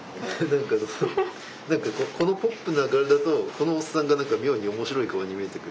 何かこのポップな柄だとこのおっさんが何か妙に面白い顔に見えてくる。